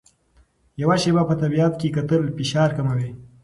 یو شېبه په طبیعت کې کتل فشار کموي.